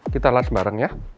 kita last bareng ya